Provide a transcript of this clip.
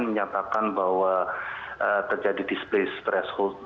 menyatakan bahwa terjadi displace